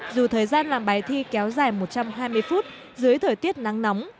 dù thời gian làm bài thi kéo dài một trăm hai mươi phút dưới thời tiết nắng nóng